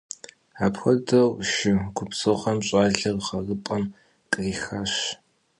Апхуэдэу шы губзыгъэм щӏалэр гъэрыпӏэм кърихащ.